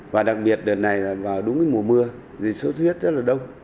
và đặc biệt đợt này là vào đúng mùa mưa dịch xuất huyết rất là đông